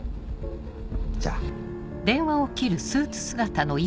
じゃあ。